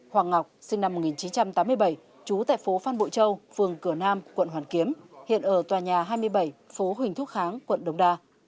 hoàng ngọc sinh năm một nghìn chín trăm tám mươi bảy trú tại phố phan bội châu phường cửa nam quận hoàn kiếm hiện ở tòa nhà hai mươi bảy phố huỳnh thúc kháng quận đống đa